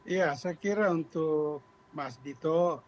ya saya kira untuk mas dito